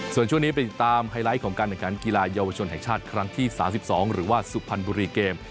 ส่วนช่วงนี้ไปติดตามไฮไลท์ของการแข่งขันกีฬาเยาวชนแห่งชาติครั้งที่๓๒หรือว่าสุพรรณบุรีเกม